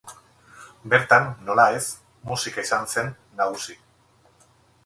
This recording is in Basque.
Bertan, nola ez, musika izan zen nagusi.